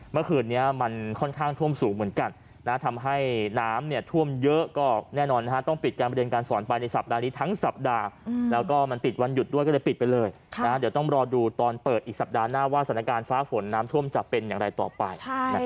เมื่อคืนนี้มันค่อนข้างท่วมสูงเหมือนกันทำให้น้ำท่วมเยอะก็แน่นอนต้องปิดการเรียนการสอนไปในสัปดาห์นี้ทั้งสัปดาห์แล้วก็มันติดวันหยุดด้วยก็เลยปิดไปเลยเดี๋ยวต้องรอดูตอนเปิดอีกสัปดาห์หน้าว่าสถานการณ์ฟ้าฝนน้ำท่วมจะเป็นอย่างไรต่อไป